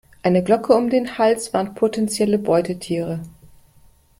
Eine Glocke um den Hals warnt potenzielle Beutetiere.